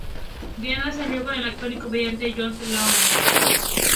Diana salió con el actor y comediante Josh Lawson.